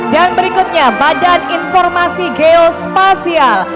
dan berikutnya badan informasi geospasial